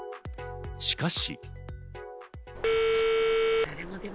しかし。